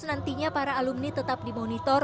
nantinya para alumni tetap dimonitor